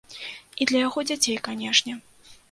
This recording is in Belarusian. І для яго дзяцей, канешне.